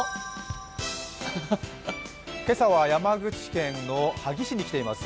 今朝は山口県の萩市に来ています。